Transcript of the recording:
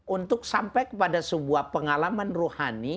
untuk sampai kepada sebuah pengalaman ruhani